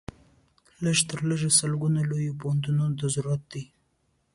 لږ تر لږه سلګونو لویو پوهنتونونو ته ضرورت دی.